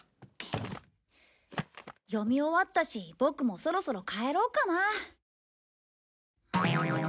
読み終わったしボクもそろそろ帰ろうかな。